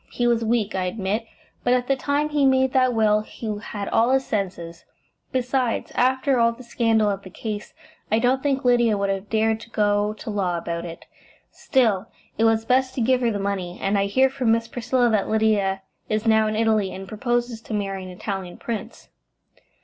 "He was weak, I admit, but at the time he made that will he had all his senses. Besides, after all the scandal of the case, I don't think Lydia would have dared to go to law about it. Still, it was best to give her the money, and I hear from Miss Priscilla that Lydia is now in Italy, and proposes to marry an Italian prince."